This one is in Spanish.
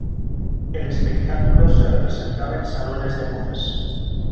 El espectáculo se representaba en salones de bodas.